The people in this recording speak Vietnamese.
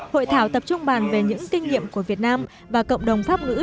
hội thảo tập trung bàn về những kinh nghiệm của việt nam và cộng đồng pháp ngữ